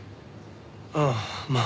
ああまあ。